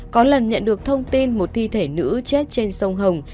có lần nhận được thông tin một thi thể nữ chết trên sông hồng